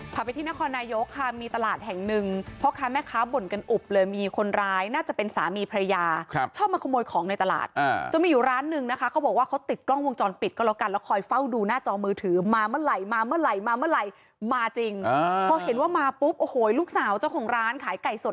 พาไปที่นครนายกค่ะมีตลาดแห่งหนึ่งพ่อค้าแม่ค้าบ่นกันอุบเลยมีคนร้ายน่าจะเป็นสามีภรรยาครับชอบมาขโมยของในตลาดจนมีอยู่ร้านนึงนะคะเขาบอกว่าเขาติดกล้องวงจรปิดก็แล้วกันแล้วคอยเฝ้าดูหน้าจอมือถือมาเมื่อไหร่มาเมื่อไหร่มาเมื่อไหร่มาจริงพอเห็นว่ามาปุ๊บโอ้โหลูกสาวเจ้าของร้านขายไก่สด